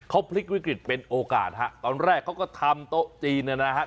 เขาพลิกวิกฤตเป็นโอกาสฮะตอนแรกเขาก็ทำโต๊ะจีนนะครับ